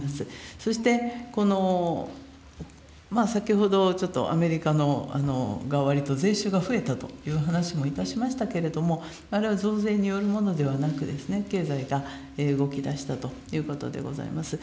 そして先ほど、ちょっとアメリカの、アメリカがわりと税収が増えたという話もいたしましたけれども、あれは増税によるものではなくですね、経済が動きだしたということでございます。